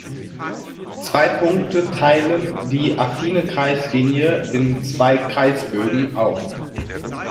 Zwei Punkte teilen die "affine" Kreislinie in "zwei" Kreisbögen auf.